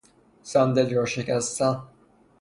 صندلی را شکستن